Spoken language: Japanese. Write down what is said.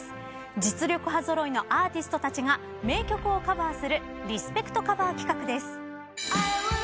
実力派揃いのアーティストたちが名曲をカバーする「リスペクト！！カバー」企画です。